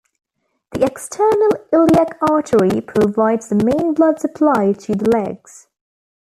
The external iliac artery provides the main blood supply to the legs.